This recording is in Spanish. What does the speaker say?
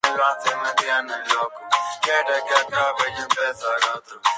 El partido se suspendió porque llovía a cántaros